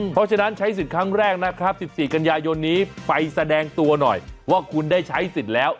เพราะฉะนั้นใช้สิทธิ์ครั้งแรกนะครับ๑๔กันยายนนี้ไปแสดงตัวหน่อยว่าคุณได้ใช้สิทธิ์แล้ว